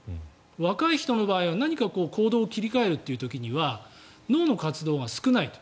若い人の場合は何か行動を切り替える時には脳の活動が少ないと。